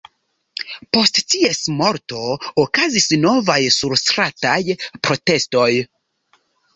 Post ties morto okazis novaj surstrataj protestoj.